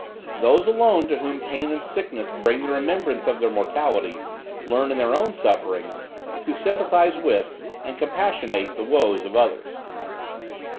Those alone to whom pain and sickness bring the remembrance of their mortality, learn in their own sufferings, to sympathise with and compassionate the woes of others.